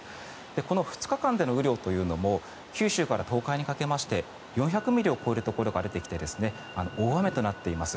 この２日間での雨量というのも九州から東海にかけまして４００ミリを超えるところが出てきて大雨となっています。